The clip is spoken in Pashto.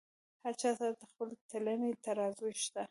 هر چا سره د خپلې تلنې ترازو شته.